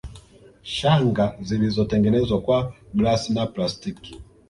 Shanga zilizotengenezwa kwa glasi na plastiki